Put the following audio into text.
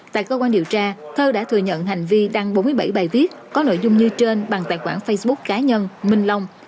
tại cơ quan điều tra thơ đã thừa nhận hành vi đăng bốn mươi bảy bài viết có nội dung như trên bằng tài khoản facebook cá nhân minh long